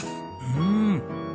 うん！